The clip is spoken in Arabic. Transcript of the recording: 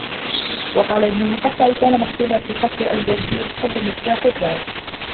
وَقَالَ ابْنُ الْمُقَفَّعِ كَانَ مَكْتُوبًا فِي قَصْرِ أَزْدَشِيرِ الصَّبْرُ مِفْتَاحُ الدَّرَكِ